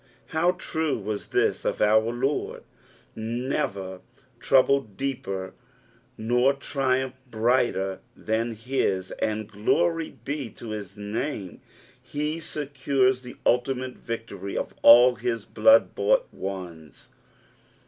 How true was this of our Lord! never /trouble deeper nor tnumph brighter than his, and glory be to his name, he 1 secures the ultimate victory of all his blood bought ones.